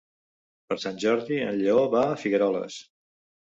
Per Sant Jordi en Lleó va a Figueroles.